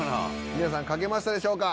皆さん書けましたでしょうか？